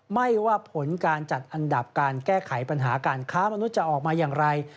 ไม่ว่าผลการจัดอันดับการแก้ไขปัญหาการค้ามนุษย์จะออกมาอย่างไร